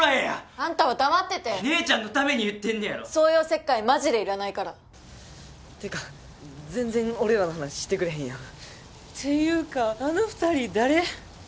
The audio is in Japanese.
あんたは黙ってて姉ちゃんのために言ってんねやろそういうおせっかいマジでいらないからっていうか全然俺らの話してくれへんやんっていうかあの２人誰？